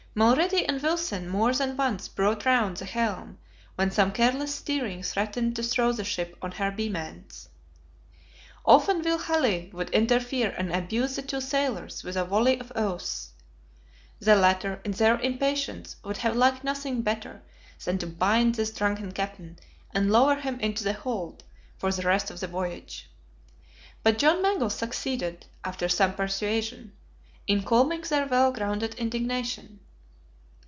Mulrady and Wilson more than once brought round the helm when some careless steering threatened to throw the ship on her beam ends. Often Will Halley would interfere and abuse the two sailors with a volley of oaths. The latter, in their impatience, would have liked nothing better than to bind this drunken captain, and lower him into the hold, for the rest of the voyage. But John Mangles succeeded, after some persuasion, in calming their well grounded indignation.